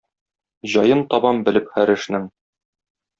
Җаен табам белеп һәр эшнең.